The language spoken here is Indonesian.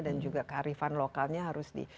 dan juga keharifan lokalnya harus di